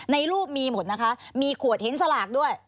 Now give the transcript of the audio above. ในรูปมีหมดนะคะมีขวดเห็นสลากด้วย